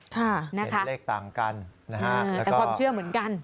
เห็นเลขต่างกันนะฮะแต่ความเชื่อเหมือนกัน